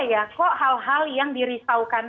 ya kok hal hal yang dirisaukan